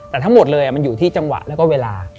แต่ทั้งหมดเลยมันอยู่ที่จังหวะแล้วก็เวลา